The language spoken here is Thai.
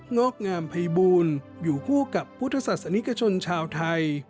อกงามภัยบูลอยู่คู่กับพุทธศาสนิกชนชาวไทย